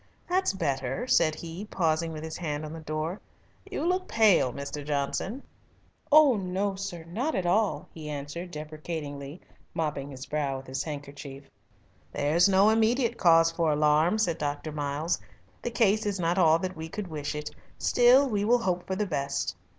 "That's better," said he, pausing with his hand upon the door. "You look pale, Mr. Johnson." "Oh no, sir, not at all," he answered deprecatingly, mopping his brow with his handkerchief. "There is no immediate cause for alarm," said Dr. Miles. "The case is not all that we could wish it. Still we will hope for the best."